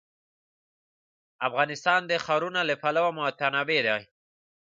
افغانستان د ښارونه له پلوه متنوع دی.